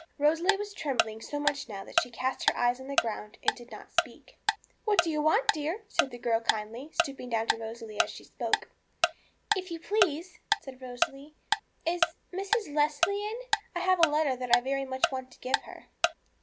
Rosalie was trembling so much now that she cast her eyes on the ground and did not speak. 'What do you want, dear?' said the girl kindly, stooping down to Rosalie as she spoke. 'If you please,' said Rosalie, 'is Mrs. Leslie in I I have a letter that I want very much to give her.'